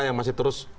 yang masih terus